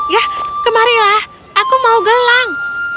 ya kemarilah aku mau gelang